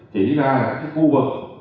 chỉ ra các khu vực